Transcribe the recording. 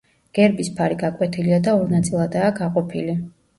გერბის ფარი გაკვეთილია და ორ ნაწილადაა გაყოფილი.